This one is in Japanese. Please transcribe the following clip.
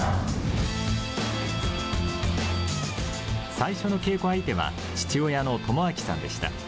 最初の稽古相手は、父親の智章さんでした。